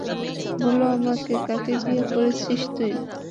বল আমাকে, কাকে বিয়ে করেছিস তুই?